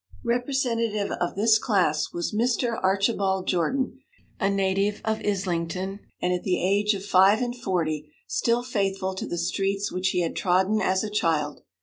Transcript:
Representative of this class was Mr. Archibald Jordan, a native of Islington, and, at the age of five and forty, still faithful to the streets which he had trodden as a child.